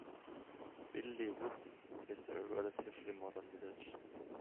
Binley Woods is a relatively modern village.